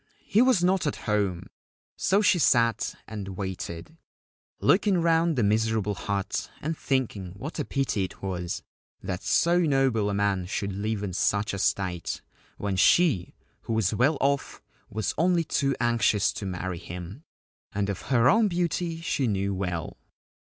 He was not at home : so she sat and waited, looking round the miserable hut and thinking what a pity it was that so noble a man should live in such a state, when she, who was well off, was only 212 A Story of Mount Kanzanrei too anxious to marry him ;— :and of her own beauty she knew well.